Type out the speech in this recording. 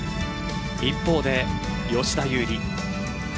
一方で吉田優利。